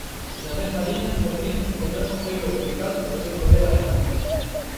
Na mesma liña, o ministro español segue o explicado polo seu colega alemán.